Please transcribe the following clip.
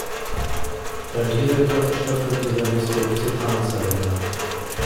Beim Dieselkraftstoff wird dieser Messwert Cetanzahl genannt.